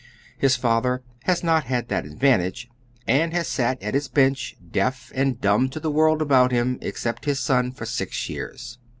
His father has not had that advantage, and has sat at his bench, deaf and dnmb to the world about him except his own, for six years.